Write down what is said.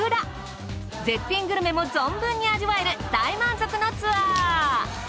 絶品グルメも存分に味わえる大満足のツアー。